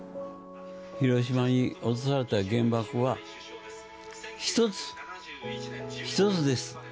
広島に落とされた原爆は１つ、１つです。